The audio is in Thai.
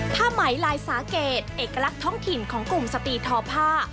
ผ้าไหมลายสาเกตเอกลักษณ์ท้องถิ่นของกลุ่มสปีทอผ้า